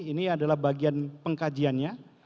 ini adalah bagian pengkajiannya